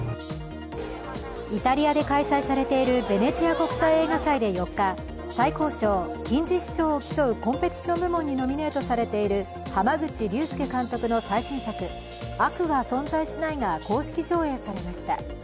イタリアで開催されているベネチア国際映画祭で４日、最高賞、金獅子賞を競うコンペティション部門にノミネートされている濱口竜介監督の最新作「悪は存在しない」が公式上映されました。